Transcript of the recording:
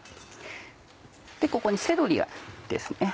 ここにセロリですね